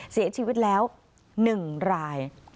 เสียชีวิตแล้ว๑ราย